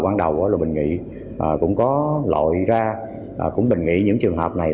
lúc đầu bình nghị cũng có lội ra cũng bình nghị những trường hợp này